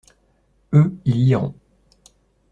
Eux, ils liront.